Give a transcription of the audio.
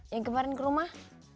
yang kemarin ke rumah